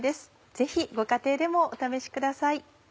ぜひご家庭でもお試しください。